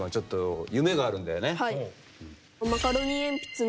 はい。